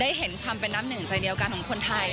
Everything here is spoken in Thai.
เห็นความเป็นน้ำหนึ่งใจเดียวกันของคนไทย